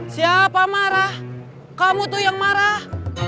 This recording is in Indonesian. siapa marah kamu tuh yang marah